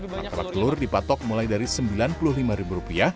martabak telur dipatok mulai dari rp sembilan puluh lima